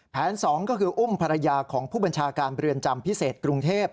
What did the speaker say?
๒ก็คืออุ้มภรรยาของผู้บัญชาการเรือนจำพิเศษกรุงเทพ